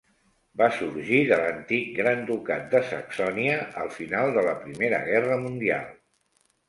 Va sorgir de l'antic Gran Ducat de Saxònia al final de la Primera Guerra Mundial.